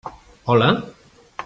Hola?